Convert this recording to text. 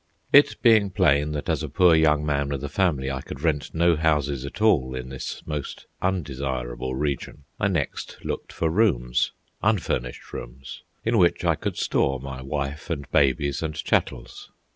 It being plain that as a poor young man with a family I could rent no houses at all in this most undesirable region, I next looked for rooms, unfurnished rooms, in which I could store my wife and babies and chattels.